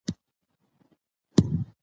بوخت خلک سالم فکر او مثبت چلند لري.